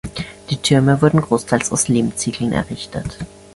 Die Türme wurden großteils aus Lehmziegeln errichtet.